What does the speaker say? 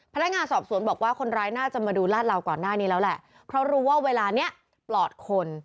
พนักงานสอบสวนบอกว่าคนร้ายน่าจะมาดูลาดเหลาก่อนหน้านี้แล้วแหละเพราะรู้ว่าเวลาเนี้ยปลอดคน